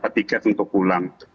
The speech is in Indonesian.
dapat tiket untuk pulang